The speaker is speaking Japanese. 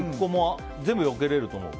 全部よけられると思う？